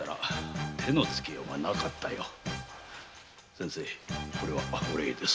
先生これはお礼です。